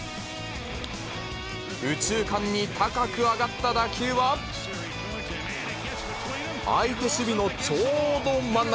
右中間に高く上がった打球は、相手守備のちょうど真ん中。